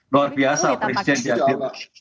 luar biasa presiden hadir